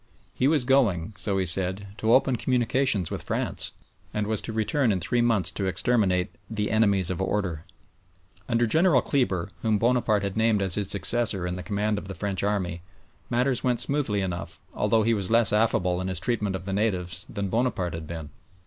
He was going, so he said, to open communications with France, and was to return in three months to exterminate "the enemies of order." Under General Kleber, whom Bonaparte had named as his successor in the command of the French army, matters went smoothly enough, although he was less affable in his treatment of the natives than Bonaparte had been.